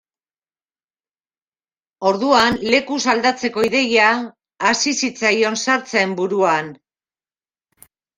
Orduan, lekuz aldatzeko ideia hasi zitzaion sartzen buruan.